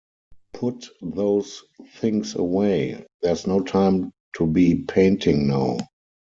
Put those things away, there’s no time to be painting now.